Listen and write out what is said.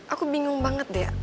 aku bingung banget deh